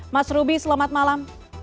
mas ruby selamat malam